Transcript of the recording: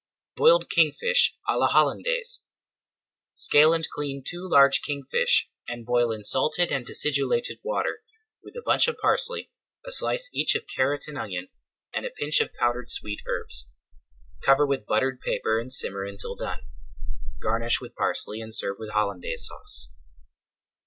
BOILED KINGFISH À LA HOLLANDAISE Scale and clean two large kingfish, and boil in salted and acidulated water, with a bunch of parsley, a slice each of carrot and onion, and a pinch of powdered sweet herbs. Cover with buttered paper and simmer until done. Garnish with parsley and serve with Hollandaise Sauce.